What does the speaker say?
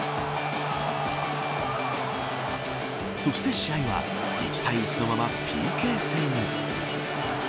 そして、試合は１対１のまま、ＰＫ戦に。